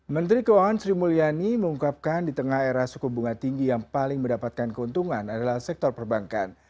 menteri keuangan sri mulyani mengungkapkan di tengah era suku bunga tinggi yang paling mendapatkan keuntungan adalah sektor perbankan